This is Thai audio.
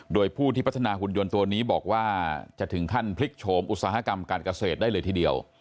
โดยผู้ที่พัฒนาหุ่นยนต์ตัวนี้บอกว่าจะถึงขั้นพลิกโฉมอุตสาหกรรมการเกษตรได้เลยทีเดียว